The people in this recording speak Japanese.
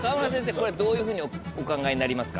これどういうふうにお考えになりますか？